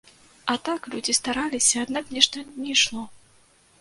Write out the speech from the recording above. А так, людзі стараліся, аднак нешта не ішло.